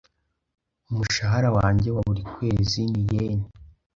Umushahara wanjye wa buri kwezi ni yen .